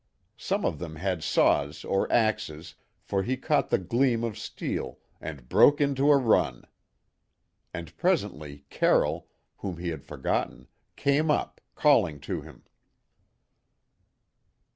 Some of them had saws or axes, for he caught the gleam of steel, and broke into a run; and presently Carroll, whom he had forgotten, came up, calling to him.